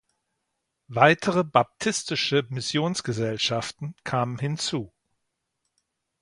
Weitere baptistische Missionsgesellschaften kamen hinzu.